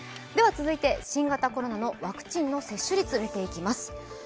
続いて新型コロナのワクチンの接種率見ていきます。